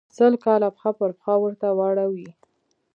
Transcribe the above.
سل کاله پښه پر پښه ورته واړوي.